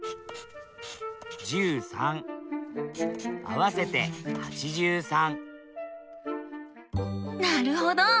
合わせて８３なるほど！